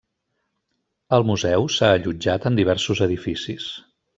El museu s'ha allotjat en diversos edificis.